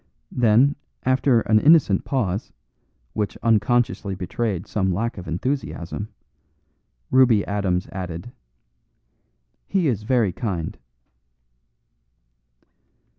Then, after an innocent pause, which unconsciously betrayed some lack of enthusiasm, Ruby Adams added: "He is very kind."